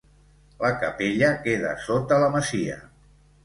La capella queda sota la masia.